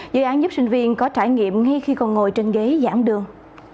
dự án giúp sinh viên có trải nghiệm ngay khi còn ngồi trên ghế giảng đường